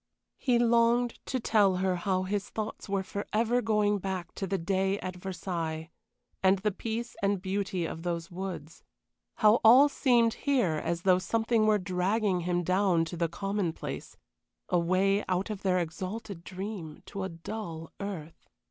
He longed to tell her how his thoughts were forever going back to the day at Versailles, and the peace and beauty of those woods how all seemed here as though something were dragging him down to the commonplace, away out of their exalted dream, to a dull earth.